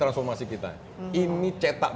transformasi kita ini cetak